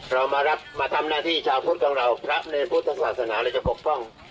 เรามารับมาทำหน้าที่ชาวพุทธของเราพระในพุทธศาสนาเราจะปกป้อง